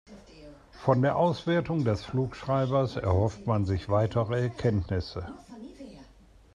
Von der Auswertung des Flugschreibers erhofft man sich weitere Erkenntnisse.